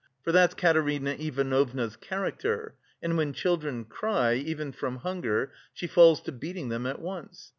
For that's Katerina Ivanovna's character, and when children cry, even from hunger, she falls to beating them at once.